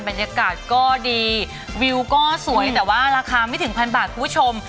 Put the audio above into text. บรรยากาศก็ดีวิวก็สวยแต่ว่าราคาไม่ถึงพันบาทคุณผู้ชม